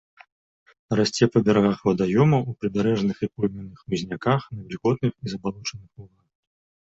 Расце па берагах вадаёмаў, у прыбярэжных і пойменных хмызняках, на вільготных і забалочаных лугах.